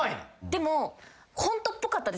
でも。